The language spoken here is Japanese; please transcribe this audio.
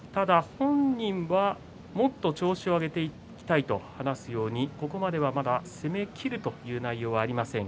本人はもっと調子を上げていきたいと話すようにここまでは、まだ攻めきるという内容ありません。